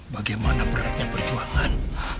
bagaimana beratnya perjuangan